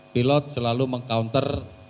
pilot selalu meng counter